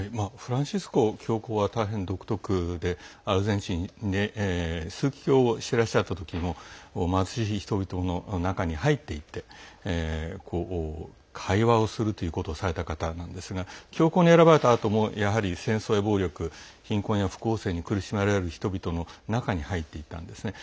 フランシスコ教皇は大変、独特で数年、枢機卿をしていらっしゃったときも貧しい人々の中に入っていって会話をするということをされた方なんですが、教皇に選ばれたあとも戦争や暴力、貧困や不公正に苦しめられる人の中に入っていたんですね。